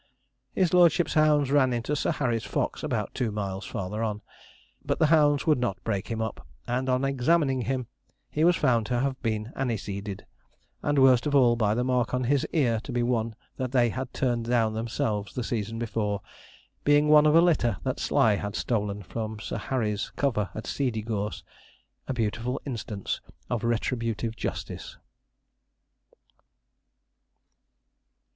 His lordship's hounds ran into Sir Harry's fox about two miles farther on, but the hounds would not break him up; and, on examining him, he was found to have been aniseeded; and, worst of all, by the mark on his ear to be one that they had turned down themselves the season before, being one of a litter that Sly had stolen from Sir Harry's cover at Seedeygorse a beautiful instance of retributive justice.